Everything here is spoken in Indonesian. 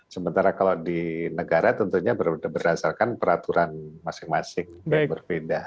sementara kalau di negara tentunya berdasarkan peraturan masing masing dan berbeda